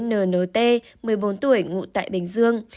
n n t một mươi bốn tuổi ngụ tại bình dương